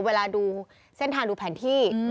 เวลาดูเส้นทางดูแผนที่